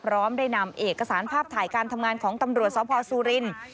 พร้อมได้นำเอกสารภาพถ่ายการทำงานของตำรวจสพสุรินทร์